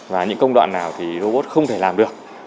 và những công đoạn nào thì robot không thể làm được